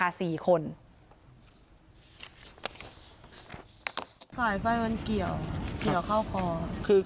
สายไฟมันเกี่ยวเกี่ยวเข้าคอคือ